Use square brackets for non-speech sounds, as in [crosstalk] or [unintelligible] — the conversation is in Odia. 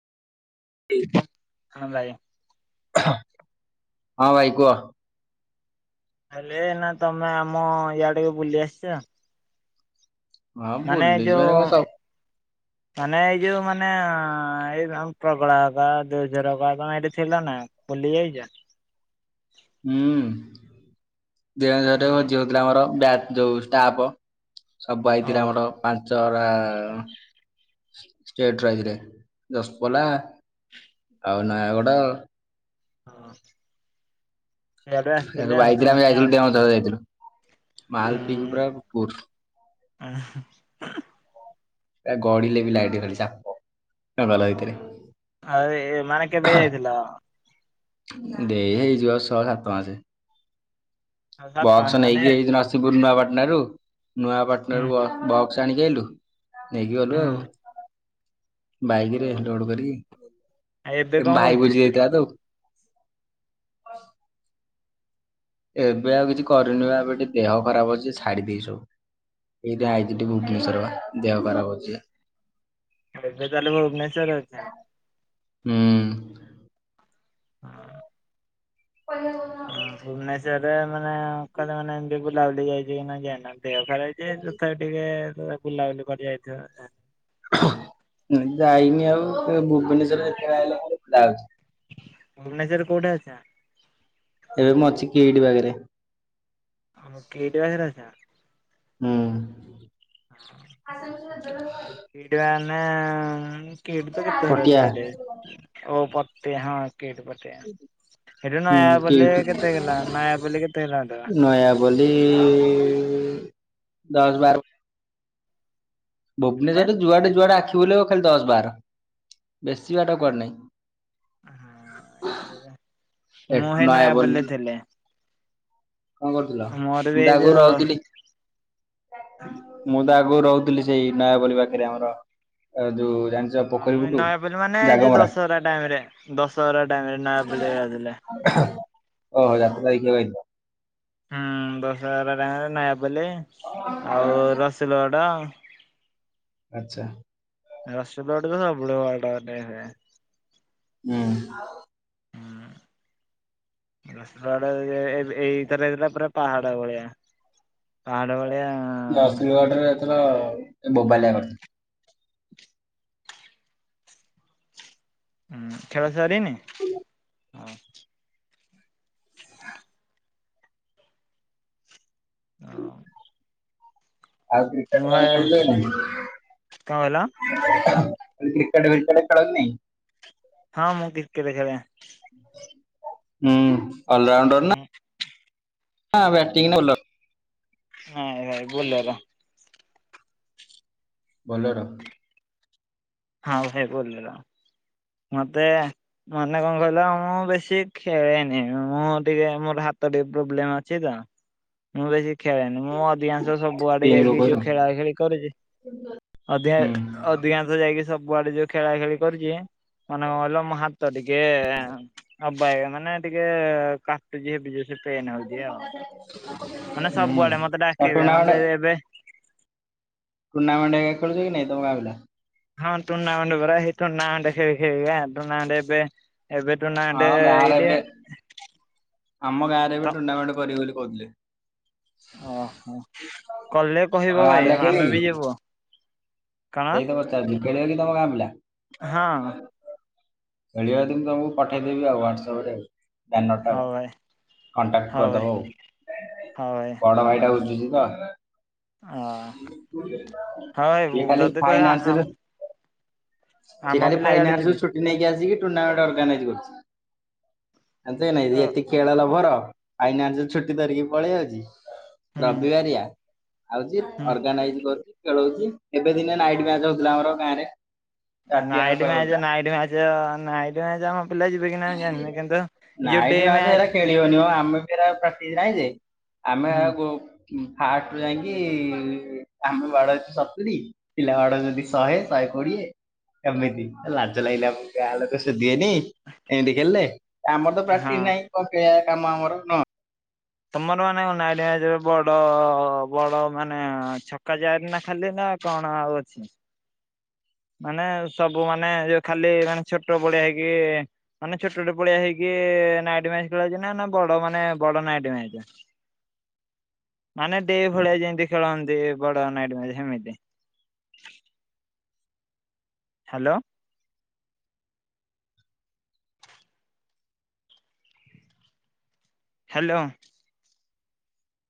[unintelligible] ହଁ ଭାଇ। ହଁ ଭାଇ କୁହ। ହେଲେ ନା ତମେ ଆମ ଇଆଡେକୁ ବୁଲି ଆସିଛ। ହଁ ମାନେ ଭୁଲି ଯିବନି ଯୋଉ ମାନେ କଣ ସବ ମାନେ ଏଇ ଯୋଉ ମାନେ ଏଇ [unintelligible] ତମେ ଏଇଠି ଥିଲ ନା ବୁଲି ଯାଇଛ। ହୁଁ। ବେଣାଝର ରେ ଭୋଜି ହଉଥିଲା ଆମର। ବ୍ୟାଚ ଯଉ ଷ୍ଟାପ ସବୁ ଓ ଆଇଥିଲା ଆମର ପାଞ୍ଚ ଚରା ଷ୍ଟେ ଷ୍ଟେଟ ରୁ ଆଇଥିଲେ ଦଶପଲା ଆଉ ନୟାଗଡ଼ ହଁ। ୟାଡୁ ବାଇକ ଆମେ ଯାଇଥିଲୁ। [unintelligible] ମାଲପିକି ପୁରା ପୁର। ଉ ହୁଁ। [unintelligible] ସେ ଗଢିଲେ ବି ଲାଇଟ ଖଲି ଚାପ [unintelligible] ଦେଇ ହେଇଯିବ ଆଉ ଶହେ ସାତମାସେ। ସାତ ପାଞ୍ଚ ବକ୍ସ ମାନେ ନେଇକି ହେଇ ନସିୀପୁର ନୂଆପାଟଣା ରୁ। ନୂଆପଟଣ ହୁଁ ର ବକ୍ସ ଆଣିକି ଆଲୁ। ନେଇକି ଗଲୁ ଆଉ। ହୁଁ ବାଇକରେ ଲୋଡ କରିକି ଏବେ ଏ କଣ ଭାଇ କରୁଛ? ବୁଝ ଯାଇଥିଲା ତ। ହଁ। ଏବେ ଆଉ କିଛି କରିନି ଏବେ ଟିକେ ଦେହ ଖରାପ ଅଛି ଛାଡି ଦେଇ ସବୁ ଏଇଟା ଆଇଛି ଟେ ଭୁବନେଶ୍ଵର ଦେହ ଖରାପ ଅଛି। ଏବେ ତାହଲେ ଭୁବନେଶ୍ୱରରେ ଅଛ ହୁଁ ହଁ ହଁ ଭୁବନେଶ୍ୱରରେ ମାନେହେ ମାନେ ଲାଗି ଯାଇଛି କି ନା ଯାଇନ ଦେହ ଖରାପ ହେଇଛି ତଥାପି ଟିକେ ବୁଲାବୁଲି କରି ଯାଇଥିବ ବୋଧେ ଯାଇନି ଆଉ ଭୁବନେଶ୍ୱର ଯେତେବେଳେ ଆଇଲେ ଖାଲି ଯାଉଛି ଭୁବନେଶ୍ଵରରେ କୋଉଠି ଅଛ ଏବେ ମୁଁ ଅଛି କିଇଡି ପାଖରେ ଅହ କିଡ ପାଖରେ ଅଛ ହଁ ଇଦ୍ୱାନ [unintelligible] କିଡତୋ କେତେଘର ପଟିଆ। ଅଛି ଏଠେ ଉପ ପଟିଆ ହଁ କିଡ୍ ପଟେ ସେଇଠୁ ହୁଁ ନୟାପଲ୍ଲୀ କିଟ୍ କେତେ ହେଲା ନୟାପଲ୍ଲୀ କେତେ ହେଲା ନୟାପଲ୍ଲୀ ଦଶ ବାର କେତେ? ଭୁବନେଶ୍ବରରେ ଯୁଆଡେ ଯୁଆଡେ ଆଖି ତୁ ଲେଖ୍ ଖାଲି ଦଶ ବାର ବେଶୀ ବାଟା କୁ ନାହିଁ ଁ ଏଠୁ ମୁଁହେ ନୟାପଲ୍ଲୀରେ ନୟାପଲ୍ଲୀ ଥିଲି କଣ କରୁଥିଲ ମୋର ବି ଏଇ ମୁଁତୋ ଆଗରୁ ଯୋଉ ରହୁଥିଲି ମୁଁ ତ ଆଗରୁ ରହୁଥିଲି ସେଇ ନୟାପଲ୍ଲୀ ପାଖରେ ଆମର ଯୋଉ ଜାଣିଛ ହଁ ପୋଖରୀ ମୁଇ ବୁଟୁ ନୟାପଲ୍ଲୀ ମାନେ ଏଇ ଯୋଉ ଜାଗମରା ଦଶହରା ଟାଇମ ରେ ଦଶହରା ଟାଇମରେ ନୟାପଲ୍ଲୀରେ ଏକା ଥିଲି। ଓହୋ ଯାତ୍ରା ଦେଖିବାକୁ ଆଇଥିଲ ହୁଁ ଦଷହରା ଟାଇମ ରେ ନୟା ବୋଲେ ଆଉ ରସଲଗଡ ଆଚ୍ଛା ରସଲଗଡ଼କୁ ସବୁବେଳେ ବାରଟା ଗୋଟେ ହୁଏ ହୁଁ। ହୁଁ ବଡ ଏବେ ଏଇଥର ପୁରା ପାହାଡ଼ ଭଳିଆ। ପାହାଡ ଭଳିଆ ନରସିଂହଗଡରେ ଏଥର ବୋବାଲିଆ କରିଥିଲା। ହୁଁ ଖେଳସାରିନି [inaudible] ଅ ହଁ। ଆଉ କ୍ରିକେଟକାଇଁ ଖେଳି ଯାଉନା। କଣ କହିଲ [inaudible] କ୍ରିକେଟ ବିକେଟ ଖେଳନି? ହଁ ମୁଁ କ୍ରିକେଟ ଖେଳେ। ହୁଁ। ଅଲରାଉଣ୍ଡର ନା ହୁଁ ହଁ ବ୍ୟାଟିଙ୍ଗ ନା ବଲ ର ହଁ ଭାଇ ବୋଲର। ବୋଲର ହଁ ଭାଇ ବୋଲର ମତେ ମାନେ କଣ କହିଲ ମୁଁ ବେଶୀ ଖେଳେନି ମୁଁ ଟିକେ ମୋର ହାତ ଟିକେ ପ୍ରୋବ୍ଲେମ ଅଛି ତ ମୁଁ ବେଶୀ ଖେଳେନି। ମୁଁ ଅଧିକାଂଶ ସବୁଆଡେ ତିନି ରୁ ଯାଇକି କହୁଛ ଯୋଉ ହୁଁ। ଖେଳା ଖେଳି କରୁଛି ଅଧିକା ହୁଁ ଅଧିକାଂଶ ଯାଇକି- ସବୁଆଡେ ଯୋଉ ଖେଳା ଖେଳି କରୁଛି ମାନେ କଣ କହିଲ ମ ହାତ ଟିକେ ଅବାଗିଆମାନେ ଟିକେ କାଟୁଛି ହେବି ଜ ପେନ ହଉଛି ଆଉ ମାନେ ସବୁଆଡେ ମତେ ଆଉ ଡାକିବେ ଟୁର୍ଣ୍ଣାମେଣ୍ଟ ମୋତେ ଏବେ ଟୁର୍ଣ୍ଣାମେଣ୍ଟ ହେଇକା ଖେଳୁଚ କି ନାଇ ତମ ଗାଁ ପିଲା? ହଁ ଟୁର୍ଣ୍ଣାମେଣ୍ଟ ପରା ହେଇ ଟୁର୍ଣ୍ଣାମେଣ୍ଟ ଖେଳି ଖେଳି ପରା ଟୁର୍ଣ୍ଣାମେଣ୍ଟ ଏବେ ଏବେ ଟୁର୍ଣ୍ଣାମେଣ୍ଟ ଆ ଗାଁରେ ଏଇଠି ଏବେ ଆମ ଗାଁରେ ତ ଏବେ ଟୁର୍ଣ୍ଣାମେଣ୍ଟ କରିବେ ବୋଲି କହୁଥିଲେ। ଓହୋ କଲେ ତମ କହିବ ଗାଁ ଭାଇ ପିଲା ଖେଳିବେ ଆମେ ବି କି? ଯିବୁ। କଣ ସେଇ ତ ପଚାରଛି ଖେଳିବ କି ତମ ଗାଁ ପିଲା? ହଁ। ଖେଳିବ ଯଦି ମୁଁ ତମକୁ ପଠେଇଦେବି ଆଉ ହ୍ୱାଟସଆପ ରେ ନଟା ଆଉ ହଉ ଭାଇ କଣ୍ଟାକ୍ଟ ହଉ ଭାଇ କରିଦବ ଆଉ ହଉ ଭାଇ ବଡ ଭାଇଟା ହଉଛି ଯେ। [inaudible] [unintelligible] ଫାଇନାନ୍ସ ରେ ସେ ଆମ ଖାଲି ପିଲା ଫାଇନ୍ସ ଇଆଡେ ରୁ ଯିବେ ଛୁଟି ନେଇକି ଆସିକି ଟୁନା ଗୋଟେ ଆଗ୍ରନଇଜ କରିଛି। ଅ [unintelligible] ଆଇନା ରୁ ଛୁଟି ଧରିକି ପଳେଇ ଆଉଛି ହୁଁ ରବିବାରିଆ? ଆଉଚି ହୁଁ ଅର୍ଗାନାଇଜ କରୁଛି। ଖେଳଉଛି ଏବେ ଦିନେ ନାଇ ଯ ହଉଥିଲା ଆମର ଗାଁରେ ରାତି ଯାକ ନାଇଟ ଖେଳ ହଉଥିଲା। Match night match night match ଆମ ପିଲା ଯିବେ କି ନାଇ ମୁ ଜାଣିନି କିନ୍ତୁ ଯୋଉ ଡିମ ଏଟା ଆଉ ପ୍ରାକ୍ଟିସ ନାଇଁ ଯେ ଆମେ ଆକୁ ଫାଷ୍ଟରୁ ଯାଇକି ଇ ଆମେ ବାଡଉଛୁ ସତୁରୀ ପିଲା ବାଡୋଉଛନ୍ତି ଶହେ ଶହେ କୋଡିଏ ଏମିତି ଲାଜ ଲାଗିଲା ଆମକୁ ଗାଁଲୋକ ସେ ହୁଏନି ଏମିତି ଖେଳିଲେ ଆମର ତ ହଁ ପାଟିନ ନାଇଁ କମ୍ପେ ଆମ ଆମର ନଅ ତମର ମାନେ କଣ ନାଇଟିମ୍ୟାଚରେ ବଡ ବଡ ମାନେ ଛକା ଚାରୀ ନା ଖାଲି ନା କଣ ଆଉ ଅଛି। ମାନେ ସବୁ ମାନେ ଯଉ ଖାଲି ମାନେ ଛୋଟ ପଳିଆ ହେଇକି ମାନେ ସବୁ ମାନେ ଯୋଉ ଖାଲି ଛୋଟ ପଡିଆ ହେଇକି ମାନେ ଛୋଟ ଛୋଟ ପଡିଆ ହେଇକି ନା ନାଇଟି ମ୍ୟାଚ ଖେଳା ହେଉଛିନା ନା ବଡ ମାନେ ବଡ ନାଇଟି ମ୍ୟାଚ ମାନେ ଡେ ଭଳିଆ ଯେମିତି ଖେଳନ୍ତି ବଡ ନାଇଟି ମ୍ୟାଚ ସେମିତି। ହାଲୋ। ହାଲୋ।